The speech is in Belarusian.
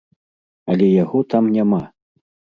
Але яго там няма!